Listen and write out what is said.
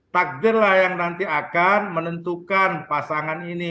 takdir lah yang nanti akan menentukan pasangan ini